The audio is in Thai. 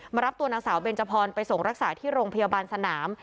มารับตัวนางสาวเบนจพรไปส่งรักษาที่โรงพยาบาลสนาม